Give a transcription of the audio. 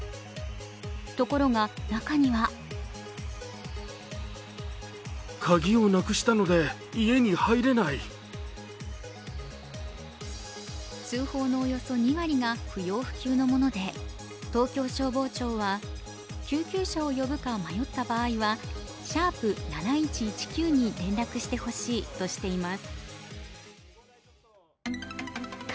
ところが、中には通報のおよそ２割が不要不急のもので、東京消防庁は、救急車を呼ぶか迷った場合は＃７１１９に連絡してほしいとしています。